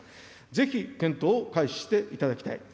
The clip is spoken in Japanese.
ぜひ、検討を開始していただきたい。